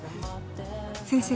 先生